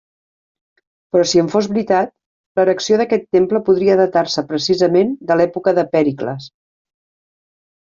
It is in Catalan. Però si en fos veritat, l'erecció d'aquest temple podria datar-se precisament de l'època de Pèricles.